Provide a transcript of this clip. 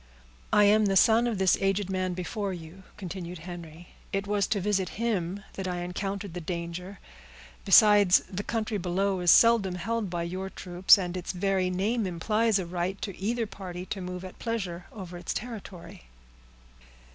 "I am the son of this aged man before you," continued Henry. "It was to visit him that I encountered the danger. Besides, the country below is seldom held by your troops, and its very name implies a right to either party to move at pleasure over its territory."